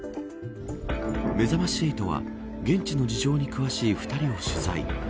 めざまし８は現地の事情に詳しい２人を取材。